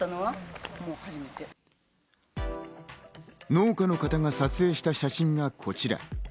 農家の方が撮影した写真がこちら。